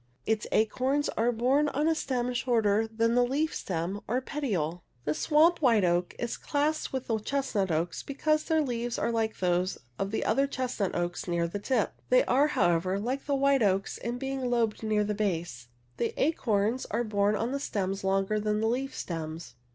8). Its acorns are borne on a stem shorter than the leaf stem or petiole. I!. souTMERB Live The swamp white oak is classed with the chestnut oaks because the leaves are like those of the other chestnut oaks near the tip ; they are, however, like the white oaks in 65 being lobed near the base (Fig. 9). The acorns (Fig. 10, a), are born upon stems longer than the leaf stems.